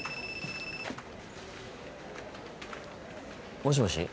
もしもし？